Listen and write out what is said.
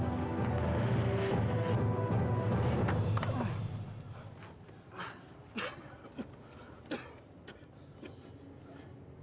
saya juga semoga customer